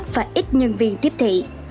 và ít nhân viên tiếp thị